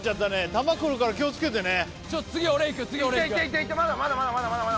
球来るから気をつけてね